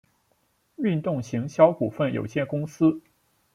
运动行销股份有限公司